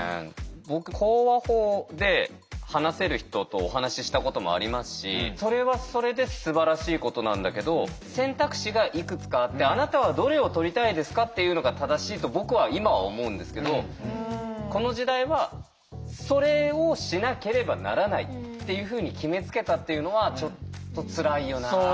僕口話法で話せる人とお話ししたこともありますしそれはそれですばらしいことなんだけど選択肢がいくつかあってあなたはどれを取りたいですかっていうのが正しいと僕は今は思うんですけどこの時代はそれをしなければならないっていうふうに決めつけたっていうのはちょっとつらいよなあって。